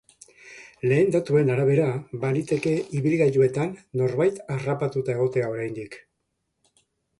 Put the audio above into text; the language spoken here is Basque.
Lehen datuen arabera, baliteke ibilgailuetan norbait harrapatuta egotea oraindik.